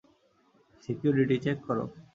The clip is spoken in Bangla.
সিকিউরিটি, চেক করো।